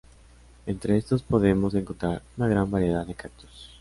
Entre estos podemos encontrar una gran variedad de cactus.